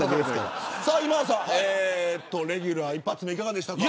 今田さん、レギュラー一発目いかがでしたか。